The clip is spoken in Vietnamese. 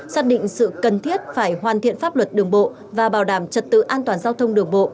xác định sự cần thiết phải hoàn thiện pháp luật đường bộ và bảo đảm trật tự an toàn giao thông đường bộ